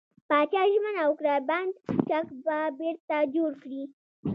پاچا ژمنه وکړه، بند چک به بېرته جوړ کړي .